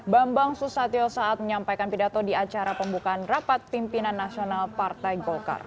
bambang susatyo saat menyampaikan pidato di acara pembukaan rapat pimpinan nasional partai golkar